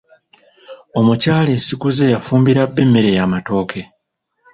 Omukyala essiguze yafumbira bba emmere ya matooke.